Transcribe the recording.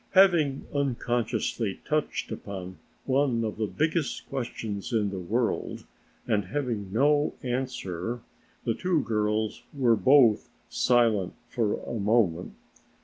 Having unconsciously touched upon one of the biggest questions in the world and having no answer, the two girls were both silent for a moment.